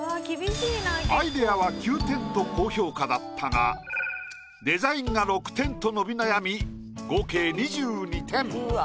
アイディアは９点と高評価だったがデザインが６点と伸び悩み合計２２点。